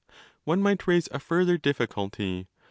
. One might raise a further difficulty.